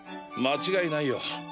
間違いないよ。